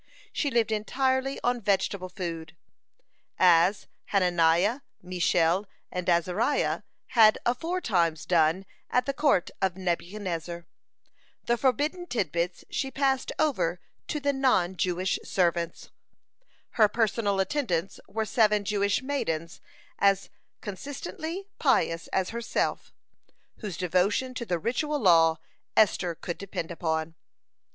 She lived entirely on vegetable food, as Hananiah, Mishael, and Azariah had aforetimes done at the court of Nebuchadnezzar. (75) The forbidden tidbits she passed over to the non Jewish servants. (76) Her personal attendants were seven Jewish maidens as consistently pious as herself, whose devotion to the ritual law Esther could depend upon.